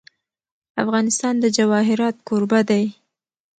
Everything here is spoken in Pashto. افغانستان د جواهرات کوربه دی.